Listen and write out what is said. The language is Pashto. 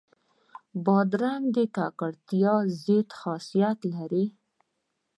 بادرنګ د ککړتیا ضد خاصیت لري.